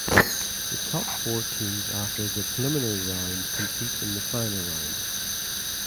The top four teams after the preliminary round compete in the final round.